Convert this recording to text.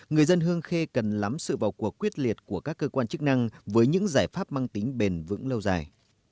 người dân hương khê cần lắm sự vào cuộc quyết liệt của các cơ quan chức năng với những giải pháp mang tính bền vững lâu dài